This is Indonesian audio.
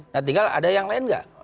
nah tinggal ada yang lain nggak